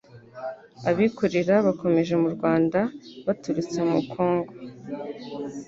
abikorera bakomeye mu Rwanda baturutse muri Kongo